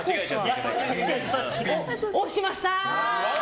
押しました！